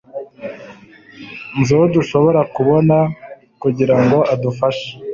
Nzi uwo dushobora kubona kugirango adufashe